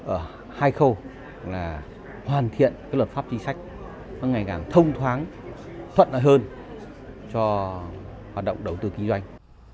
ở hai khâu là hoàn thiện cái luật pháp chính sách nó ngày càng thông thoáng thuận lợi hơn cho hoạt động đầu tư kinh doanh